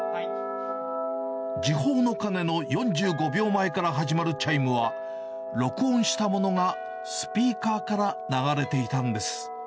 時報の鐘の４５秒前から始まるチャイムは、録音したものがスピーカーから流れていたんです。